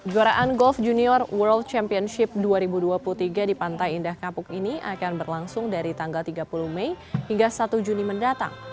juaraan golf junior world championship dua ribu dua puluh tiga di pantai indah kapuk ini akan berlangsung dari tanggal tiga puluh mei hingga satu juni mendatang